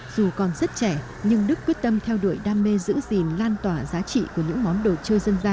dù còn rất trẻ nhưng đức quyết tâm theo đuổi đam mê giữ gìn lan tỏa giá trị của những món đồ chơi dân gian